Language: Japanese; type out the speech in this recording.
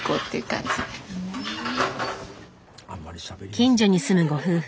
近所に住むご夫婦。